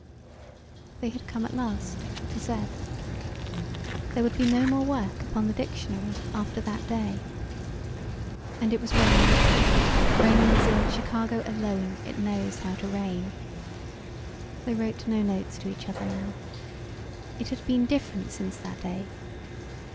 They had come at last to Z. There would be no more work upon the dictionary after that day. And it was raining raining as in Chicago alone it knows how to rain. They wrote no notes to each other now. It had been different since that day.